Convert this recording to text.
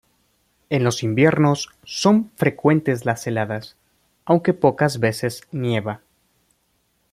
En los inviernos son frecuentes las heladas, aunque pocas veces nieva.